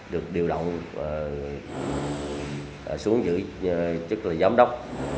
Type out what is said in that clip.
được điều động xuống giữ chức là giám đốc